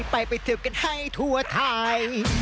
ไปไปเที่ยวกันให้ทัวร์ไทย